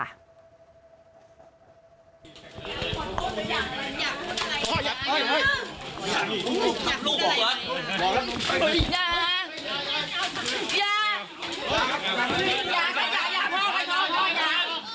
ไปไปไปไปไป